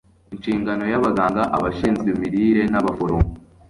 Inshingano yAbaganga Abashinzwe imirire nAbaforomo